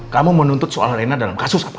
kamu menuntut soal rena dalam kasus apapun